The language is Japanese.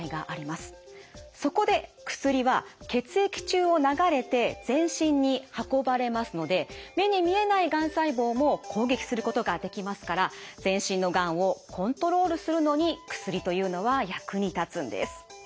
そこで薬は血液中を流れて全身に運ばれますので目に見えないがん細胞も攻撃することができますから全身のがんをコントロールするのに薬というのは役に立つんです。